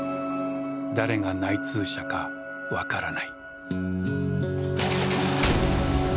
誰が内通者か分からない。